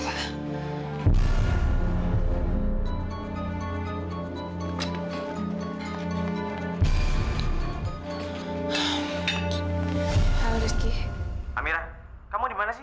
amira kamu mau kemana sih